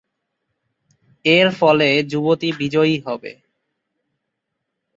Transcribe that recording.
এর ফলে যুবতী বিজয়ী হবে।